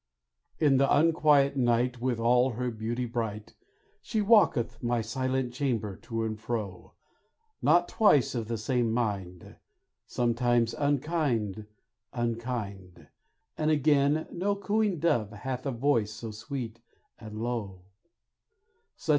In the unquiet night, With all her beauty bright, She walketh my silent chamber to and fro; Not twice of the same mind, Sometimes unkind unkind, And again no cooing dove hath a voice so sweet and low.